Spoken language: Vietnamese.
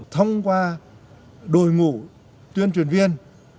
thông qua đội ngũ tuyên truyền viên